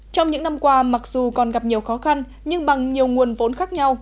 trong những năm qua mặc dù còn gặp nhiều khó khăn nhưng bằng nhiều nguồn vốn khác nhau